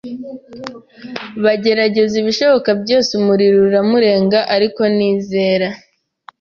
bagerageza ibishoboka byose, umuriro uramurenga ariko nizera